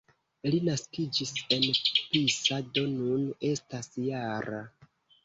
Li naskiĝis en Pisa, do nun estas -jara.